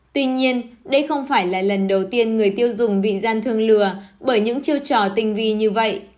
tuy nhiên đây không phải là lần đầu tiên người tiêu dùng bị gian thương lừa bởi những chiêu trò tinh vi như vậy